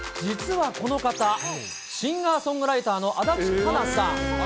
実はこの方、シンガーソングライターの足立佳奈さん。